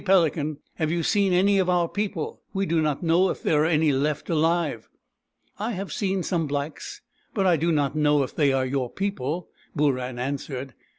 Pelican, have you seen any of our people ? We do not know if there are any left alive." " I have seen some blacks, but I do not know if they are your people," Booran answered.